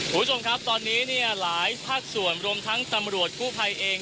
คุณผู้ชมครับตอนนี้เนี่ยหลายภาคส่วนรวมทั้งตำรวจกู้ภัยเอง